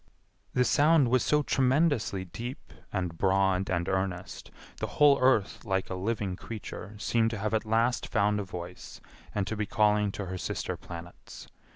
The sound was so tremendously deep and broad and earnest, the whole earth like a living creature seemed to have at last found a voice and to be calling to her sister planets.